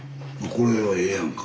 これはええやんか。